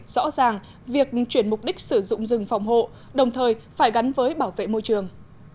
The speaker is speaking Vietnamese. rõ ràng việc chuyển mục đích sử dụng rừng phòng hộ đồng thời phải gắn với bảo vệ môi trường